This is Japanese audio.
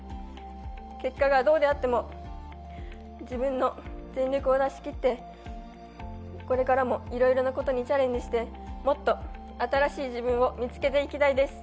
結果がどうであっても、自分の全力を出しきってこれからもいろいろなことにチャレンジして、もっと新しい自分を見つけていきたいです。